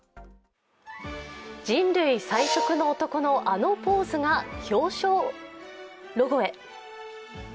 人類最速の男のあのポーズが商標ロゴへ。